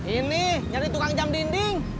ini jadi tukang jam dinding